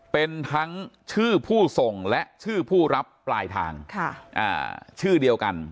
เป็นทั้งชื่อผู้ส่งและชื่อผู้รับปลายทางชื่อเดียวกัน